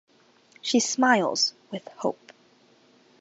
She smiles with hope.